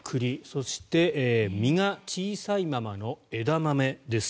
そして実が小さいままの枝豆です。